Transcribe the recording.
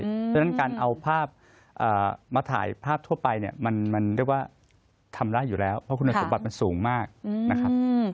เพราะฉะนั้นการเอาภาพมาถ่ายภาพทั่วไปเนี่ยมันเรียกว่าทำได้อยู่แล้วเพราะคุณสมบัติมันสูงมากนะครับ